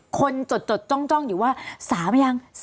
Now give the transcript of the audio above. คนจดโจ้งอยู่ว่า๓อย่าง